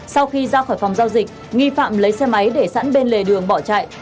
sau khi ra khỏi phòng giao dịch nghi phạm lấy xe máy để sẵn bên lề đường bỏ chạy